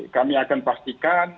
kami akan pastikan